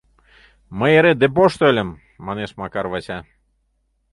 — Мый эре депошто ыльым! — манеш Макар Вася.